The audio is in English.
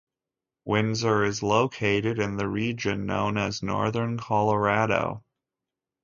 Windsor is located in the region known as Northern Colorado.